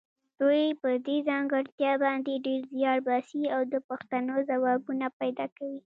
دوی په دې ځانګړتیا باندې ډېر زیار باسي او د پوښتنو ځوابونه پیدا کوي.